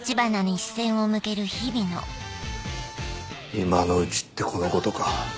「今のうち」ってこのことか。